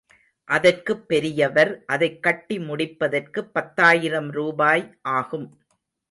அதற்குப் பெரியவர், அதைக் கட்டி முடிப்பதற்குப் பத்தாயிரம் ரூபாய் ஆகும்.